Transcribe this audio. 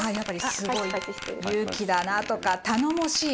「すごい勇気だな」とか「頼もしい」